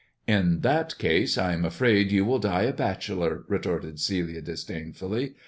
"In that case I am afraid you will die a bachelor," re torted Celia disdainfully.